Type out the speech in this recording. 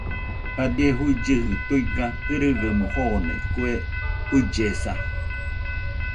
Jadie juillɨji tuiga kɨrɨgaɨmo joone kue ullesa.